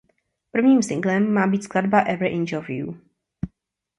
Prvním singlem má být skladba „Every Inch Of You“.